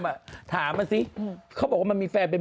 เจ้าของคินิกเลย